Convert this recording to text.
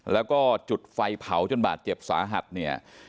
แล้วก็จุดไฟเผาจนบาดเจ็บสาหัสเนี่ย